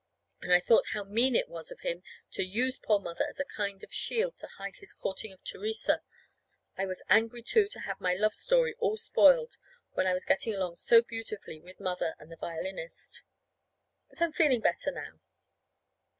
And I thought how mean it was of him to use poor Mother as a kind of shield to hide his courting of Theresa! I was angry, too, to have my love story all spoiled, when I was getting along so beautifully with Mother and the violinist. But I'm feeling better now.